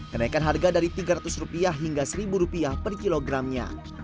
kenaikan harga dari rp tiga ratus hingga rp satu per kilogramnya